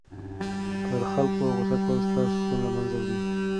پر خلکو غصه کول ستا سکون له منځه وړي.